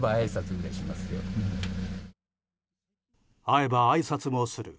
会えばあいさつもする。